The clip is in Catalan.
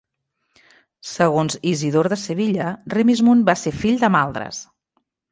Segons Isidor de Sevilla, Remismund va ser fill de Maldras.